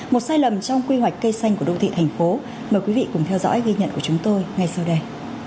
một sai lầm trong quy hoạch cây xanh của đô thị thành phố mời quý vị cùng theo dõi ghi nhận của chúng tôi ngay sau đây